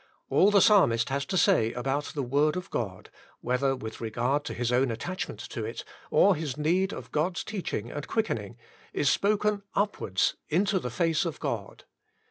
All the Psalmist has to say about the Word of God, whether with regard to his own attachment to it, or his need of God's teaching and quickening, is spoken upwards into the face of God.